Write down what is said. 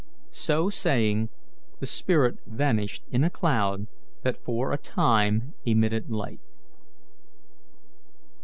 So saying, the spirit vanished in a cloud that for a time emitted light.